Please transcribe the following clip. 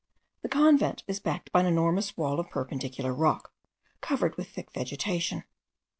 The convent is backed by an enormous wall of perpendicular rock, covered with thick vegetation.